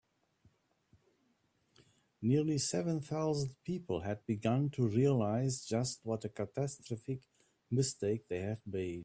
Nearly seven thousand people had begun to realise just what a catastrophic mistake they had made.